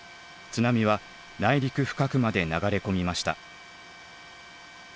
津波は内陸深くまで流れ込みました。